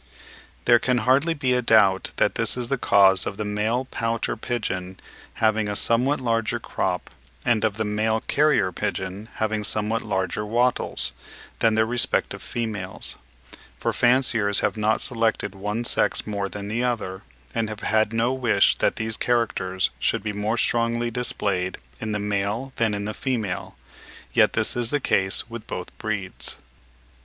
There can hardly be a doubt that this is the cause of the male pouter pigeon having a somewhat larger crop, and of the male carrier pigeon having somewhat larger wattles, than their respective females; for fanciers have not selected one sex more than the other, and have had no wish that these characters should be more strongly displayed in the male than in the female, yet this is the case with both breeds.